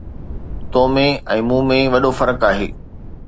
تو ۾۽ مون ۾ وڏو فرق آهي